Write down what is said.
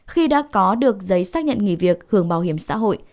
khi đã có được giấy xác nhận nghỉ việc hưởng bảo hiểm xã hội